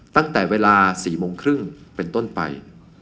ตั้งแต่เวลา๔โมงครึ่งเป็นต้นไป